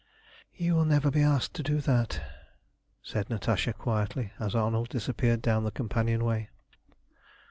"You will never be asked to do that," said Natasha quietly, as Arnold disappeared down the companion way.